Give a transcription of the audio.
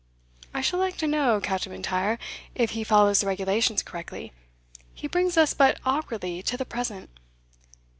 I should like to know, Captain M'Intyre, if he follows the regulations correctly he brings us but awkwardly to the present."